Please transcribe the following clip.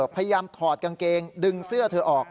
พยายามถอดกางเกงดึงเสื้อเธอออก